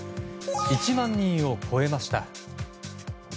１万人を超えました。